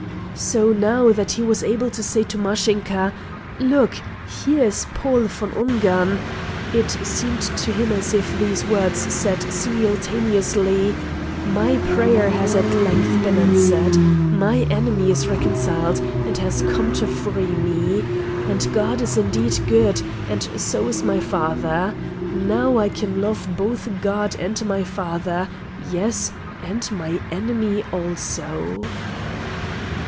So, now that he was able to say to Mashinka, "Look, here is Paul von Ungern," it seemed to him as if these words said simultaneously, "My prayer has at length been answered. My enemy is reconciled, and has come to free me. And God is indeed good, and so is my father. Now I can love both God and my father yes, and my enemy also."